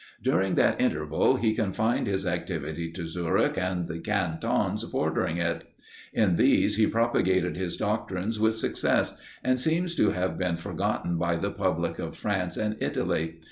During that interval, he confined his activity to Zurich and the cantons bordering it. In these he propagated his doctrines with success, and seems to have been forgotten by the public of France and Italy.